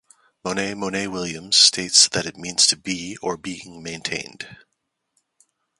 Monier Monier-Williams states that it means to be or being maintained.